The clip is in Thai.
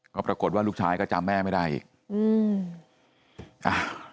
ก็ปรากฏว่าลูกชายก็จำแม่ไม่ได้อีกอืมอ่า